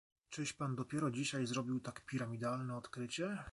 "czyś pan dopiero dzisiaj zrobił tak piramidalne odkrycie?..."